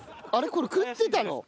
これ食ってたの？